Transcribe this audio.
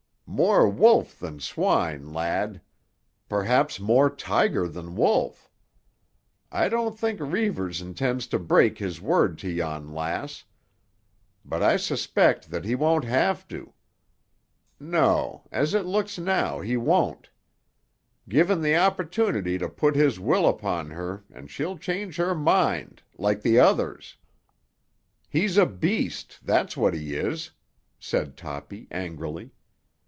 "More wolf than swine, lad. Perhaps more tiger than wolf. I don't think Reivers intends to break his word to yon lass. But I suspect that he won't have to. No; as it looks now, he won't. Given the opportunity to put his will upon her and she'll change her mind—like the others." "He's a beast, that's what he is!" said Toppy angrily.